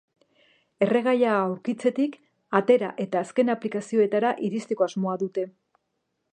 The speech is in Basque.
Erregaia aurkitzetik, atera eta azken aplikazioetara iristeko asmoa dute.